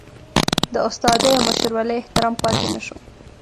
د استادۍ او مشرولۍ احترام پاتې نشو.